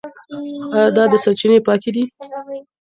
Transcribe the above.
ايا دا سرچينې پاکي دي؟